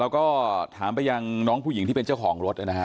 เราก็ถามไปยังน้องผู้หญิงที่เป็นเจ้าของรถนะฮะ